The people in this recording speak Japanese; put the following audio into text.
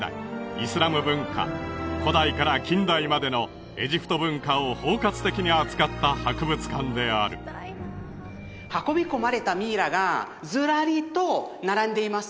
イスラム文化古代から近代までのエジプト文化を包括的に扱った博物館である運び込まれたミイラがずらりと並んでいます